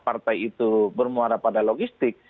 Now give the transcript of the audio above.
partai itu bermuara pada logistik